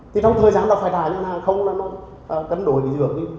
thì trong thời gian đó phải trả ngân hàng không là nó cấn đổi cái dưỡng đi